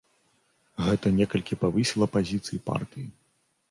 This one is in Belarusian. Гэта некалькі павысіла пазіцыі партыі.